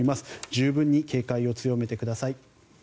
十分に警戒を強めてください。